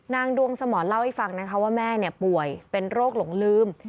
นางดวงสมรเล่าให้ฟังนะคะว่าแม่ป่วยเป็นโรคหลงลืม